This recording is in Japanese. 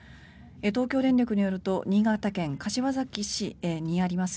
東京電力によると新潟県柏崎市にあります